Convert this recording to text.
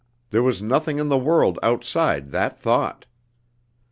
There was nothing in the world outside that thought.